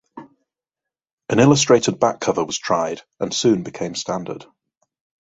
An illustrated back cover was tried, and soon became standard.